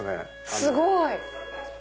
すごい！